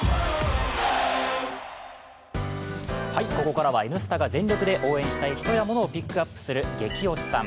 ここからは「Ｎスタ」が全力で応援したい人や物をピックアップするゲキ推しさん。